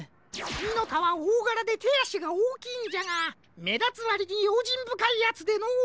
ミノタはおおがらでてあしがおおきいんじゃがめだつわりにようじんぶかいやつでのう。